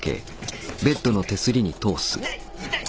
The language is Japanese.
痛い！